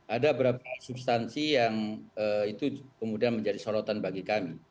ada beberapa substansi yang itu kemudian menjadi sorotan bagi kami